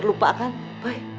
gak lupa kan boy